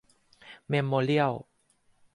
เมโมเรียล